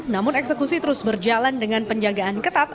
namun eksekusi terus berjalan dengan penjagaan ketat